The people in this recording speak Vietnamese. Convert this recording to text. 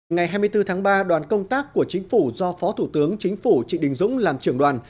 ngày hai mươi bốn tháng ba đoàn công tác của chính phủ do phó thủ tướng chính phủ trị đình dũng làm trưởng đoàn